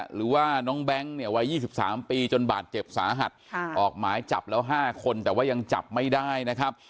หรือว่าน้องแบงค์เนี่ยวัย๒๓ปีจนบาดเจ็บสาหัสออกหมายจับแล้ว๕คนแต่ว่ายังจับไม่ได้นะครับ